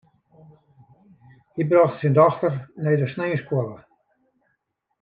Hy brocht syn dochter nei de sneinsskoalle.